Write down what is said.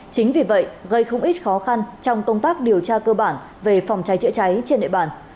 chính vì vậy gây không ít khó khăn trong công tác điều tra cơ bản về phòng cháy chữa cháy trên địa bàn